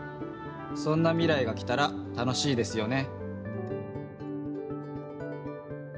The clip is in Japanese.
そんなみらいがきたら楽しいですよね。